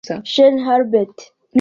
Shane Hulbert